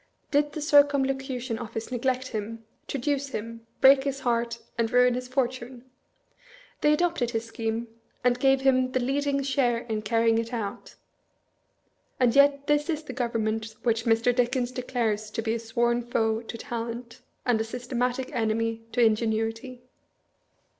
Did the Circumlocution Office neglect him, traduce him, break his heart, and ruin his fortune? They adopted his scheme, and gave him the leading share in carrying it out, and yet this is the government which Mr. Dickens declares to be a sworn foe to talent, and a systematic enemy to ingenuity."